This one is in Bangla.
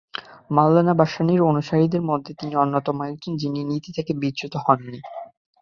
মওলানা ভাসানীর অনুসারীদের মধ্যে তিনি অন্যতম একজন, যিনি নীতি থেকে বিচ্যুত হননি।